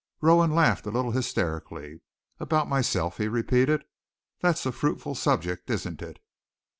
Rowan laughed a little hysterically. "About myself," he repeated. "That's a fruitful subject, isn't it?"